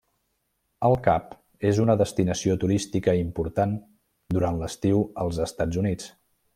El Cap és una destinació turística important durant l'estiu als Estats Units.